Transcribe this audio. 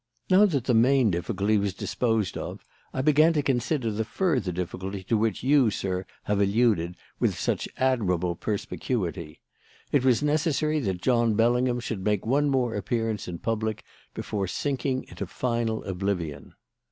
"Now that the main difficulty was disposed of, I began to consider the further difficulty to which you, sir, have alluded with such admirable perspicuity. It was necessary that John Bellingham should make one more appearance in public before sinking into final oblivion.